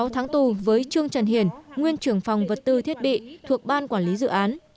một mươi sáu tháng tù với trương trần hiển nguyên trưởng phòng vật tư thiết bị thuộc ban quản lý dự án